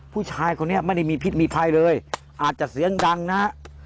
ผู้ชายคนนี้ไม่ได้มีพิษมีภัยเลยอาจจะเสียงดังนะฮะ